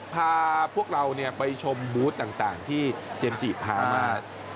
พาพวกเราไปชมบูธต่างที่เจมส์จิพามา